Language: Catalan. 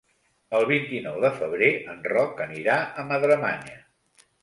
El vint-i-nou de febrer en Roc anirà a Madremanya.